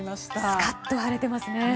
スカッと晴れてますね！